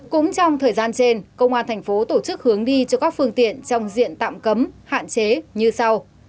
cũng trong thời gian trên công an thành phố tổ chức hướng đi cho các phương tiện trong diện tạm cấm hạn chế như sau